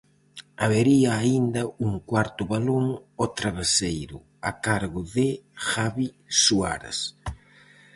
Habería aínda un cuarto balón ao traveseiro, a cargo de Javi Suárez.